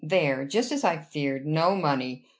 "There! Just as I feared! No money!